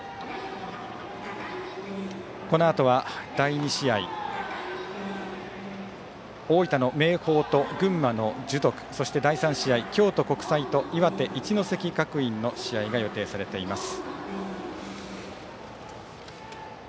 このあとは第２試合大分の明豊と群馬の樹徳そして第３試合、京都国際と岩手・一関学院の試合が予定されています。